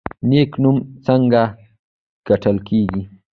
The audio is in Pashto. نیک نوم څنګه ګټل کیږي؟